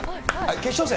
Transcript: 決勝戦。